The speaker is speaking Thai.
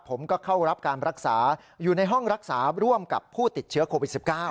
ผมก็เข้ารับการรักษาอยู่ในห้องรักษาร่วมกับผู้ติดเชื้อโควิด๑๙